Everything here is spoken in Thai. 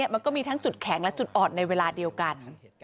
มันก็มีทั้งจุดแข็งและจุดอ่อนในเวลาเดียวกัน